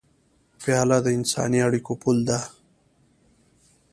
پیاله د انساني اړیکو پُل ده.